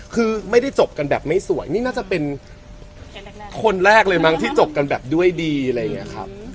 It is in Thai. คือไม่ได้จบกันแบบไม่สวยนี่น่าจะเป็นคนแรกเลยมั้งที่จบกันแบบด้วยดีอะไรอย่างนี้ครับ